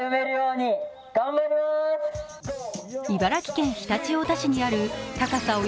茨城県常陸太田市にある高さ